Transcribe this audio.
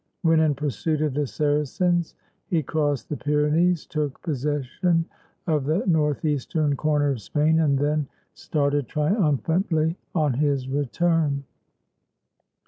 When in pursuit of the Saracens, he crossed the Pyrenees, took possession of the northeastern corner of Spain, and then started triumphantly on his return.